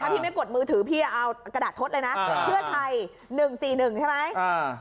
ถ้าพี่ไม่กดมือถือพี่จะเอากระดาษทดเลยน่ะอ่าเพื่อไทยหนึ่งสี่หนึ่งใช่ไหมอ่า